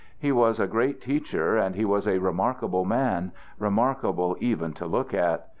He was a great teacher and he was a remarkable man, remarkable even to look at.